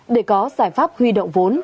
để có giải pháp huy động vốn